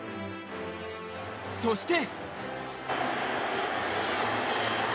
そして。